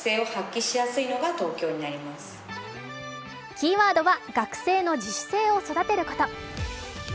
キーワードは学生の自主性を育てること。